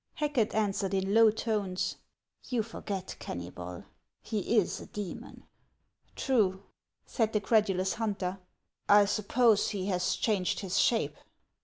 357 Hacket answered in low tones :" You forget, Kenuybol ; he is a demon !"" True," said the credulous hunter ;" I suppose he has changed his shape."